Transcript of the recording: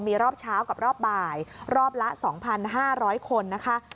มีรอบเช้ากับรอบบ่ายรอบละ๒๕๐๐คนนะคะ